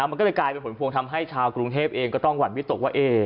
มันก็เลยกลายเป็นผลพวงทำให้ชาวกรุงเทพเองก็ต้องหวั่นวิตกว่า